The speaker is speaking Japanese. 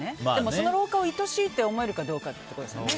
その老化を愛しいって思えるかどうかってことですよね。